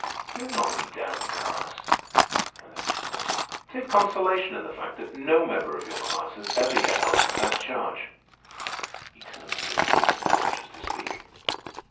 "Do not be downcast," Ernest said. "Take consolation in the fact that no member of your class has ever yet answered that charge." He turned to the other men who were anxious to speak.